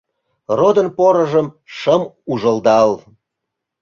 Родын порыжым шым ужылдал.